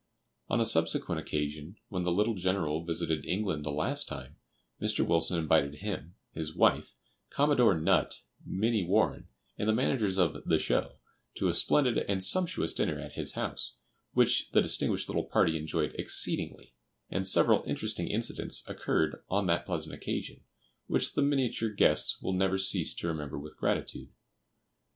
On a subsequent occasion, when the little General visited England the last time, Mr. Wilson invited him, his wife, Commodore Nutt, Minnie Warren, and the managers of "the show," to a splendid and sumptuous dinner at his house, which the distinguished little party enjoyed exceedingly; and several interesting incidents occurred on that pleasant occasion, which the miniature guests will never cease to remember with gratitude.